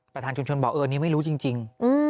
ปฐานชุนบอกอันนี้ไม่รู้จริง